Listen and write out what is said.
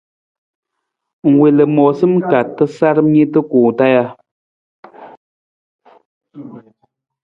Ng wiin lamoosa ka tasaram niita kuwung taa ja?